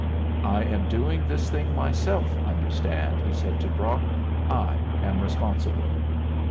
"I am doing this thing myself, understand," he said to Brock. "I am responsible."